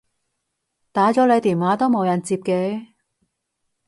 打咗你電話都冇人接嘅